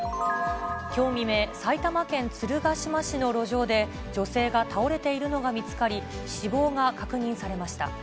きょう未明、埼玉県鶴ヶ島市の路上で、女性が倒れているのが見つかり、死亡が確認されました。